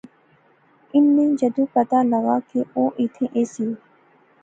انیں جدوں پتہ لغا کہ او ایتھیں ایسی